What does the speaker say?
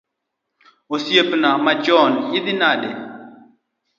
Osiepna machon, idhi nade?